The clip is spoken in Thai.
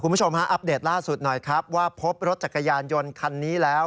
คุณผู้ชมฮะอัปเดตล่าสุดหน่อยครับว่าพบรถจักรยานยนต์คันนี้แล้ว